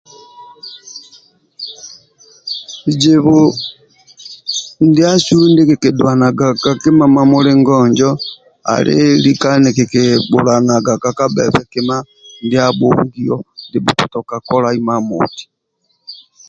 Bizibu ndiasu ndie kikidulanaga ka kima mamulingo injo ali lika nikibhulanaga ka kabhebe kima ndia abhongio ndie kikitoka kolai mamoti